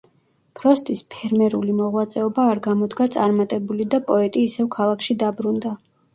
ფროსტის ფერმერული მოღვაწეობა არ გამოდგა წარმატებული და პოეტი ისევ ქალაქში დაბრუნდა.